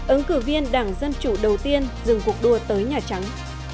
ứng cử viên đảng dân chủ đầu tiên dừng cuộc đua tới nhà trắng